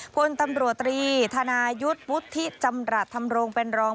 บนตำรวจตรีธานายุทธ์พุทธิจำระทำรองเป็นรอง